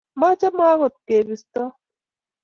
machome agot kebiston